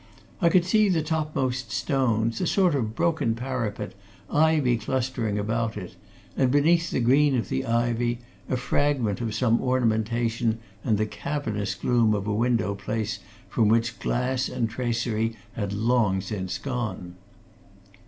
I could see the topmost stones, a sort of broken parapet, ivy clustering about it, and beneath the green of the ivy, a fragment of some ornamentation and the cavernous gloom of a window place from which glass and tracery had long since gone.